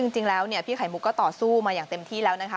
จริงแล้วเนี่ยพี่ไข่มุกก็ต่อสู้มาอย่างเต็มที่แล้วนะคะ